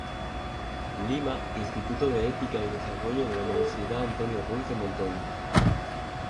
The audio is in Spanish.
Lima: Instituto de Ética y Desarrollo de la Universidad Antonio Ruiz de Montoya.